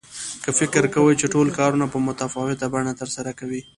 که فکر کوئ چې ټول کارونه په متفاوته بڼه ترسره کوئ.